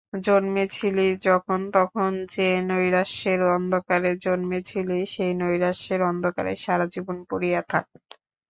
জন্মেছিলি যখন, তখন যে-নৈরাশ্যের অন্ধকারে জন্মেছিলি, সেই নৈরাশ্যের অন্ধকারে সারাজীবন পড়িয়া থাক্।